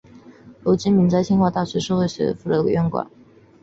如今的明斋是清华大学社会科学学院的院馆。